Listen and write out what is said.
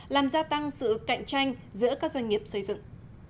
làm gia tăng sự cạnh tranh giữa các doanh nghiệp xây dựng